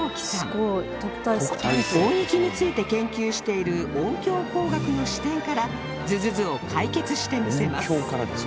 音域について研究している音響工学の視点からズズズを解決してみせます